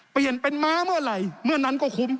เปลี่ยนเป็นม้าเมื่อไหร่เมื่อนั้นก็คุ้ม